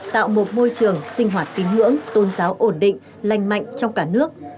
tạo một môi trường sinh hoạt tín ngưỡng tôn giáo ổn định lành mạnh trong cả nước